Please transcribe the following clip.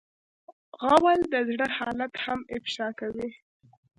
غول د زړه حالت هم افشا کوي.